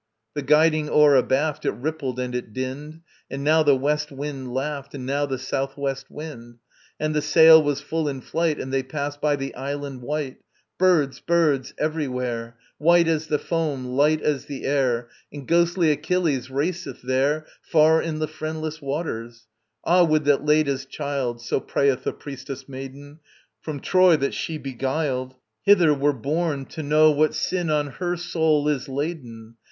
The guiding oar abaft It rippled and it dinned, And now the west wind laughed And now the south west wind; And the sail was full in flight, And they passed by the Island White: Birds, birds, everywhere, White as the foam, light as the air; And ghostly Achilles raceth there, Far in the Friendless Waters. [ANTISTROPHE 1.] Ah, would that Leda's child ... (So prayeth the priestess maiden) From Troy, that she beguiled, Hither were borne, to know What sin on her soul is laden!